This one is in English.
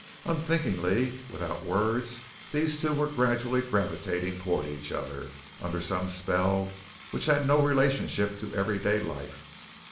Unthinkingly, without words, these two were gradually gravitating toward each other under some spell which had no relationship to everyday life.